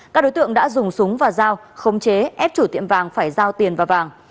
các đối tượng đã dùng súng và dao khống chế ép chủ tiệm vàng phải giao tiền và vàng